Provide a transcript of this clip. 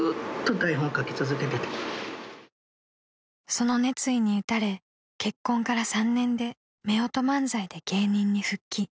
［その熱意に打たれ結婚から３年でめおと漫才で芸人に復帰］